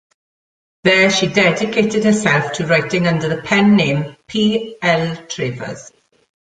There she dedicated herself to writing under the pen name P. L. Travers.